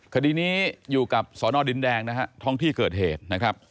คดีนี้อยู่กับสอนอดินแดงท้องที่เกิดเหตุ